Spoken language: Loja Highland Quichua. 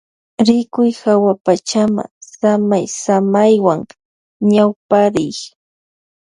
Rikuy hawapachama samaysaywan ñawpariy.